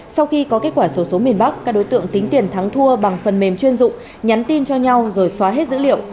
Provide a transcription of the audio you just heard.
sau khi có kết quả số số miền bắc các đối tượng tính tiền thắng thua bằng phần mềm chuyên dụng nhắn tin cho nhau rồi xóa hết dữ liệu